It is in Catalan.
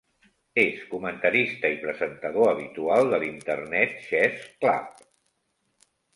És comentarista i presentador habitual de l'Internet Chess Club.